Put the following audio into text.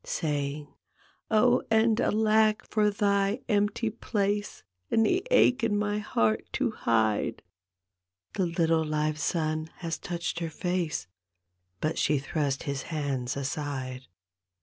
Saying, " Oh and alack, for thy empty place And the ache in my heart to hide! " The little live son has touched her face, But she thrust his hands aside.